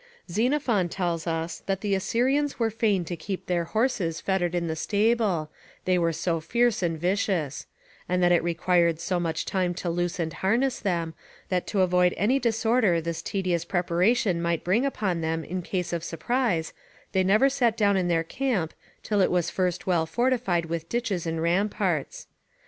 Xenophon tells us, that the Assyrians were fain to keep their horses fettered in the stable, they were so fierce and vicious; and that it required so much time to loose and harness them, that to avoid any disorder this tedious preparation might bring upon them in case of surprise, they never sat down in their camp till it was first well fortified with ditches and ramparts.